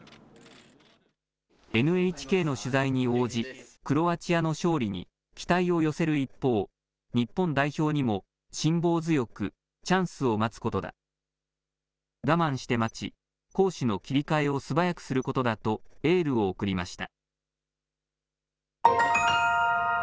ＮＨＫの取材に応じ、クロアチアの勝利に期待を寄せる一方、日本代表にも辛抱強くチャンスを待つことだ、我慢して待ち、攻守の切り替えを素早くすることだとエールを送りました。